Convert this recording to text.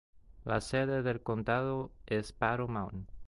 La sede del condado es Battle Mountain.